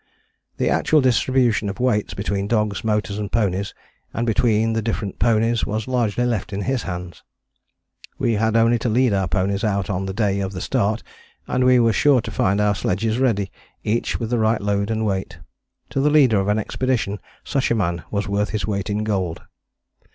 The actual distribution of weights between dogs, motors and ponies, and between the different ponies, was largely left in his hands. We had only to lead our ponies out on the day of the start and we were sure to find our sledges ready, each with the right load and weight. To the leader of an expedition such a man was worth his weight in gold.